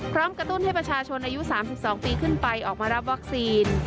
กระตุ้นให้ประชาชนอายุ๓๒ปีขึ้นไปออกมารับวัคซีน